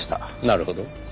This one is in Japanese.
なるほど。